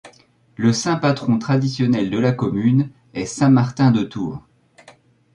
Le saint patron traditionnel de la commune est saint Martin de Tours.